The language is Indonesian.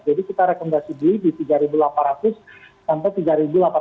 jadi kita rekomendasikan beli di rp tiga delapan ratus sampai rp tiga delapan ratus tujuh puluh